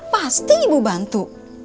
pasti ibu bantu